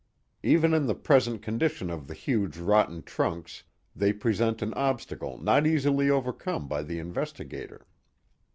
Even in the present condition of the huge rotten trunks they present an obstacle not easily overcome by the investigator.